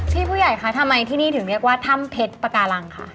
พี่ผู้ใหญ่คะทำไมที่นี่ถึงเรียกว่าถ้ำเพชรปาการังค่ะ